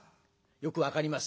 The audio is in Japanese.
よく分かります。